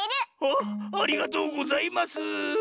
ありがとうございます！